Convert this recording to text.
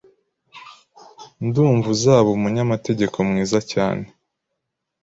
Ndumva uzaba umunyamategeko mwiza cyane. .